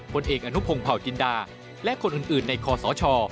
ผลเอกอนุพงศ์เผาจินดาและคนอื่นในคอสช